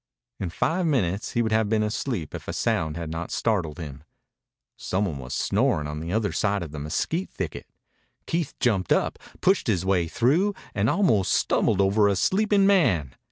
In five minutes he would have been asleep if a sound had not startled him. Some one was snoring on the other side of a mesquite thicket. Keith jumped up, pushed his way through, and almost stumbled over a sleeping man.